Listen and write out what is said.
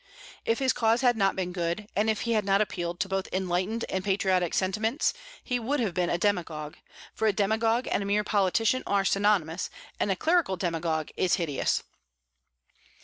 If his cause had not been good, and if he had not appealed to both enlightened and patriotic sentiments, he would have been a demagogue; for a demagogue and a mere politician are synonymous, and a clerical demagogue is hideous.